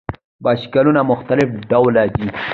بایسکلونه مختلف ډوله دي.